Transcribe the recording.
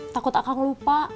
takut akang lupa